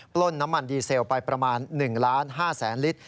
ล้นน้ำมันดีเซลไปประมาณ๑ล้าน๕แสนลิตร